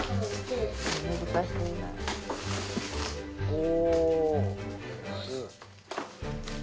お。